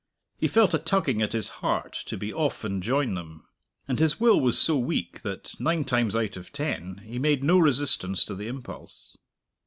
He felt a tugging at his heart to be off and join them. And his will was so weak that, nine times out of ten, he made no resistance to the impulse.